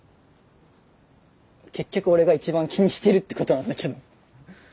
結局俺が一番気にしてるってことなんだけど。